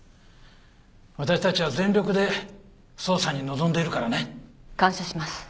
私たちは全力で捜査に臨んでいるからね。感謝します。